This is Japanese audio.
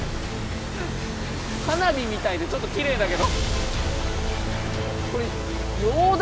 花火みたいでちょっときれいだけど。